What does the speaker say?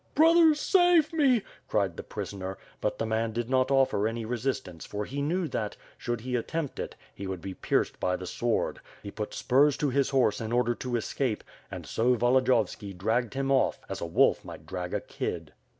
"Brothers, save me," cried the prisoner, but the man did not offer any resistance for he knew that, should he attempt it, he would be pierced by the sword, he put spurs to his horse in order to escape — ^and so Volodiyovski dragged him off, as a wolf might drag a kid.